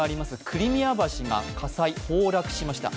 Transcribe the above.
クリミア橋が火災、崩落しました。